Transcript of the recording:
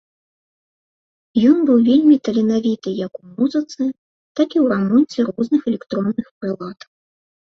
Ён быў вельмі таленавіты як у музыцы, так і ў рамонце розных электронных прылад.